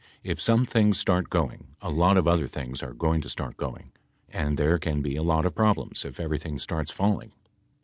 If some things start going , a lot of other things are going to start going , and there can be a lot of problems if everything starts falling.